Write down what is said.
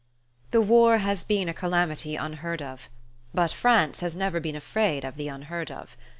The war has been a calamity unheard of; but France has never been afraid of the unheard of.